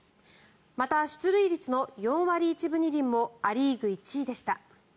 また、出塁率の４割１分２厘もア・リーグ１位でした。